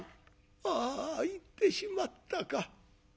あ行ってしまったか。